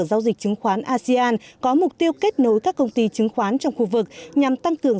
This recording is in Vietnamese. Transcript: giao dịch chứng khoán asean có mục tiêu kết nối các công ty chứng khoán trong khu vực nhằm tăng cường